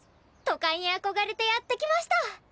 都会に憧れてやって来ました！